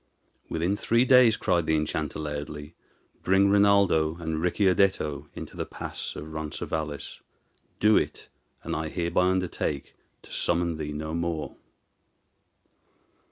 "Within three days," cried the enchanter, loudly, "bring Rinaldo and Ricciardetto into the pass of Ronces Valles. Do it, and I hereby undertake to summon thee no more."